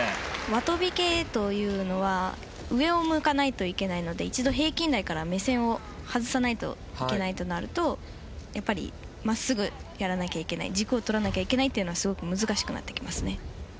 輪とび系というのは上を向かないといけないので一度、平均台から目線を外さないといけなくなると真っすぐやらなきゃいけない軸を取らなきゃいけないというのはすごく難しくなってきます。